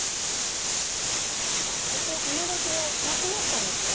ここハネ出しがなくなったんですね。